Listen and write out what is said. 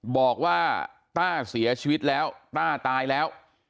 ต้าเสียชีวิตแล้วต้าตายแล้ว